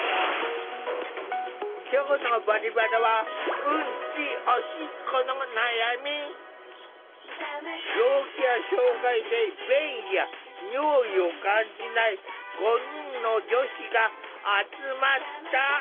今日の「バリバラ」は病気や障害で便意や尿意を感じない５人の女子が集まった。